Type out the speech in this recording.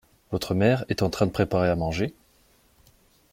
Votre mère est en train de préparer à manger ?